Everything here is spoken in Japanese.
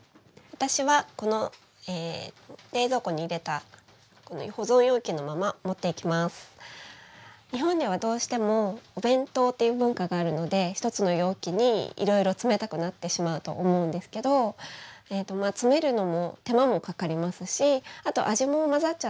私はこの冷蔵庫に入れた日本ではどうしてもお弁当っていう文化があるので一つの容器にいろいろ詰めたくなってしまうと思うんですけど次はフレンチポテトサラダ。